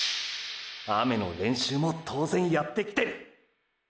雨の練習も当然やってきてる！！